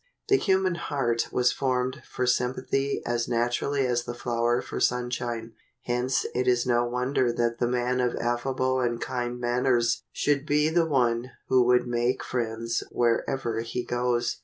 The human heart was formed for sympathy as naturally as the flower for sunshine. Hence it is no wonder that the man of affable and kind manners should be the one who would make friends wherever he goes.